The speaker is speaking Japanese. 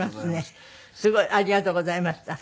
すごい。ありがとうございました。